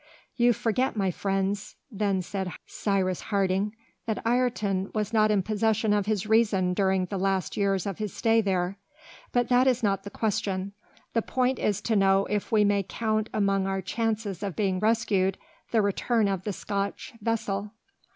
"You forget, my friends," then said Cyrus Harding, "that Ayrton was not in possession of his reason during the last years of his stay there. But that is not the question. The point is to know if we may count among our chances of being rescued, the return of the Scotch vessel.